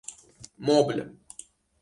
مبل